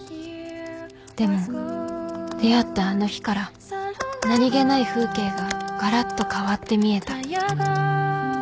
「でも出会ったあの日から何気ない風景がガラッと変わって見えた」